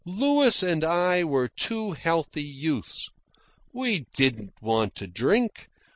Louis and I were two healthy youths. We didn't want to drink.